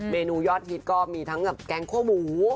เมนูยอดฮิตก็มีทั้งกับแกงคั่วหมู